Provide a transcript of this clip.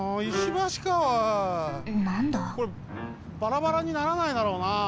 これバラバラにならないだろうな？